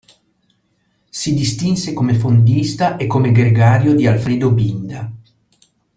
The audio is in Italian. Si distinse come fondista e come gregario di Alfredo Binda.